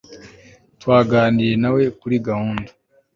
twaganiriye nawe kuri gahunda